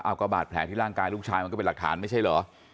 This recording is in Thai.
เอาก็บาดแผลที่ร่างกายลูกชายมันก็เป็นหลักฐานไม่ใช่เหรอ